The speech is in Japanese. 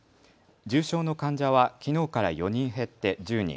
重症の患者はきのうから４人減って１０人。